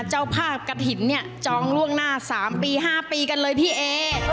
เจ้าภาพกระถิ่นเนี่ยจองล่วงหน้า๓ปี๕ปีกันเลยพี่เอ